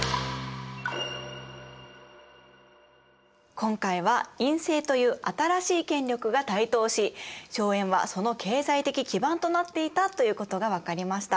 今回は院政という新しい権力が台頭し荘園はその経済的基盤となっていたということが分かりました。